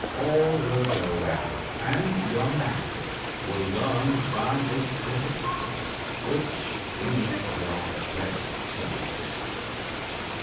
All will go well, and your Majesty will learn by this difficulty which be your best servants.'